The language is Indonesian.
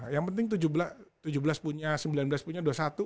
yang penting tujuh belas punya sembilan belas punya dua puluh satu